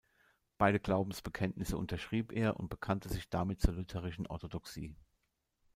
Beide Glaubensbekenntnisse unterschrieb er und bekannte sich damit zur lutherischen Orthodoxie.